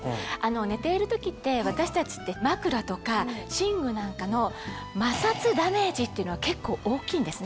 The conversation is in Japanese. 寝ている時って私たちって枕とか寝具なんかの摩擦ダメージっていうのは結構大きいんですね。